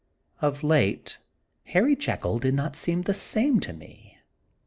Of late Harry Jekyll did not seem the same to me.